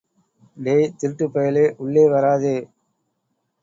டேய் திருட்டுப்பயலே, உள்ளேவராதே!